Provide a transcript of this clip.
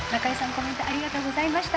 コメントありがとうございました。